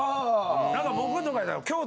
なんか僕とかやったら。